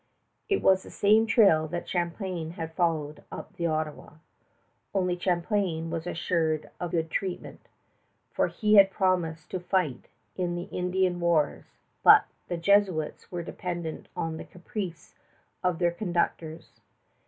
It was the same trail that Champlain had followed up the Ottawa. Only Champlain was assured of good treatment, for he had promised to fight in the Indian wars; but the Jesuits were dependent on the caprice of their conductors.